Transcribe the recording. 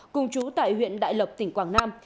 cùng chú tại huyện đại lộc tỉnh quảng nam